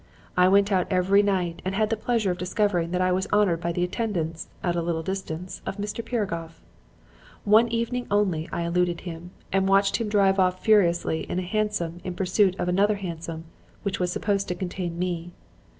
I went out every night, and had the pleasure of discovering that I was honored by the attendance at a little distance of Mr. Piragoff. One evening only I eluded him, and watched him drive off furiously in a hansom in pursuit of another hansom which was supposed to contain me.